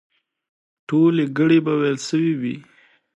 ټولې ګړې به وېل سوې وي.